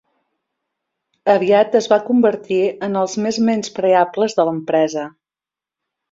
Aviat es van convertir en els més menyspreables de l'empresa.